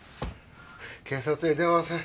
警察へ電話せい。